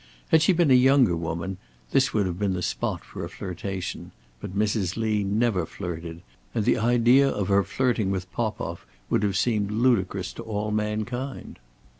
Had she been a younger woman, this would have been the spot for a flirtation, but Mrs. Lee never flirted, and the idea of her flirting with Popoff would have seemed ludicrous to all mankind.